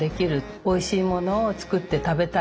おいしいものを作って食べたいと。